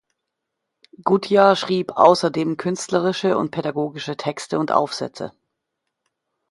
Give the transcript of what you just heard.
Gutjahr schrieb außerdem künstlerische und pädagogische Texte und Aufsätze.